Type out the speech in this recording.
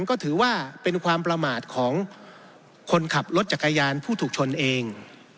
ก็ถือว่าเป็นความประมาทของคนขับรถจักรยานผู้ถูกชนเอง